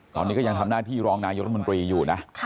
ตอนนี้ก็ยังทำหน้าที่รองนายรัฐมนตรีอยู่นะ